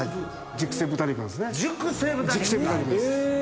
熟成豚肉です。